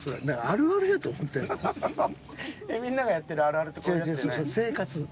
みんながやってるあるあるってこういうやつじゃないの？